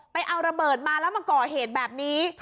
เอาระเบิดมาแล้วมาก่อเหตุแบบนี้